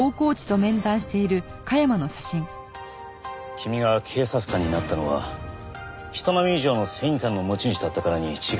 君が警察官になったのは人並み以上の正義感の持ち主だったからに違いありません。